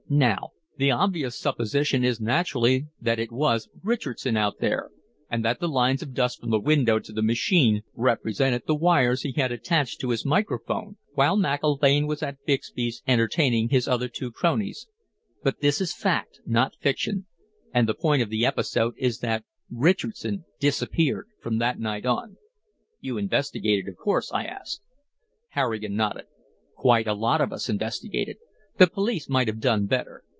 "Now the obvious supposition is naturally that it was Richardson out there, and that the lines of dust from the window to the machine represented the wires he had attached to his microphone while McIlvaine was at Bixby's entertaining his other two cronies, but this is fact, not fiction, and the point of the episode is that Richardson disappeared from that night on." "You investigated, of course?" I asked. Harrigan nodded. "Quite a lot of us investigated. The police might have done better.